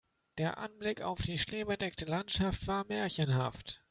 Der Anblick auf die schneebedeckte Landschaft war märchenhaft.